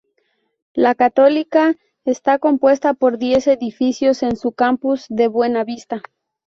La Católica está compuesta por diez edificios en su campus de Buena Vista.